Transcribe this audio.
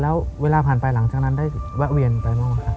แล้วเวลาผ่านไปหลังจากนั้นได้แวะเวียนไปบ้างครับ